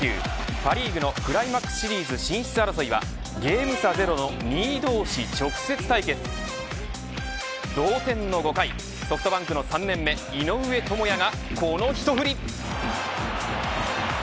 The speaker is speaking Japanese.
パ・リーグのクライマックスシリーズ進出争いはゲーム差０の２位同士、直接対決同点の５回ソフトバンクの３年目井上朋也がこの一振り。